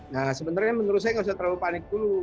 nah sebenarnya menurut saya nggak usah terlalu panik dulu